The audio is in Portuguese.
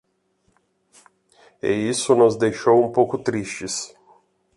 E isso nos deixou um pouco tristes.